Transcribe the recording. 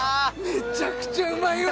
めちゃくちゃうまいわ